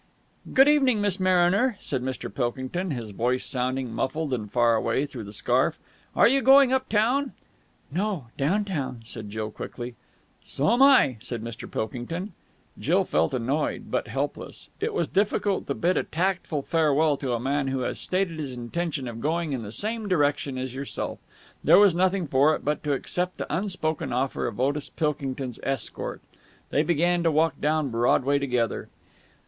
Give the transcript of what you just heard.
"Good evening, Miss Mariner," said Mr. Pilkington, his voice sounding muffled and far away through the scarf. "Are you going up town?" "No, down town," said Jill quickly. "So am I," said Mr. Pilkington. Jill felt annoyed, but helpless. It is difficult to bid a tactful farewell to a man who has stated his intention of going in the same direction as yourself. There was nothing for it but to accept the unspoken offer of Otis Pilkington's escort. They began to walk down Broadway together.